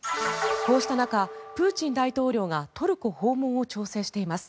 こうした中、プーチン大統領がトルコ訪問を調整しています。